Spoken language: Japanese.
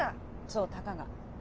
そう「たかが」。